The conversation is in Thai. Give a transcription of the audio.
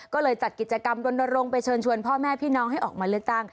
ก็เลยจัดกิจกรรมรณรงค์ไปเชิญชวนพ่อแม่พี่น้องให้ออกมาเลือกตั้ง